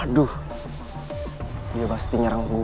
aduh dia pasti nyerang gue nih